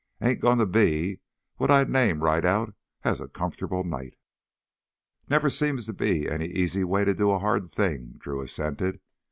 "Ain't goin' to be what I'd name right out as a comfortable night." "Never seems to be any easy way to do a hard thing," Drew assented.